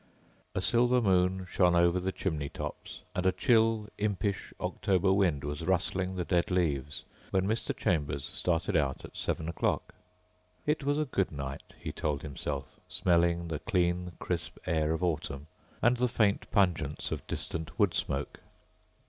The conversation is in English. A silver moon shone over the chimney tops and a chill, impish October wind was rustling the dead leaves when Mr. Chambers started out at seven o'clock. It was a good night, he told himself, smelling the clean, crisp air of autumn and the faint pungence of distant wood smoke.